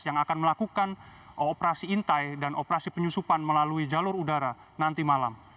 yang akan melakukan operasi intai dan operasi penyusupan melalui jalur udara nanti malam